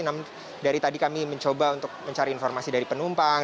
namun dari tadi kami mencoba untuk mencari informasi dari penumpang